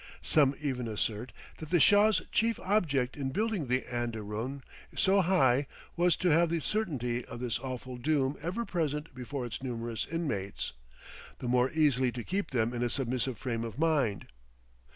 Some even assert that the Shah's chief object in building the anderoon so high was to have the certainty of this awful doom ever present before its numerous inmates, the more easily to keep them in a submissive frame of mind.